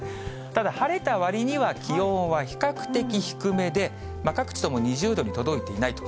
ただ、晴れたわりには気温は比較的低めで、各地とも２０度に届いていないと。